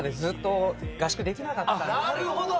なるほど。